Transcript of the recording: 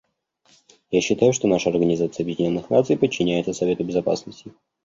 Я считаю, что наша Организация Объединенных Наций подчиняется Совету Безопасности.